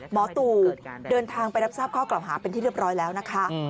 หมอตู่เดินทางไปรับทราบข้อกล่าวหาเป็นที่เรียบร้อยแล้วนะคะ